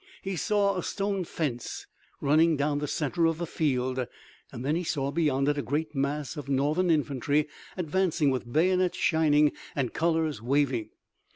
He saw a stone fence running down the center of a field, and then he saw beyond it a great mass of Northern infantry advancing with bayonets shining and colors waving.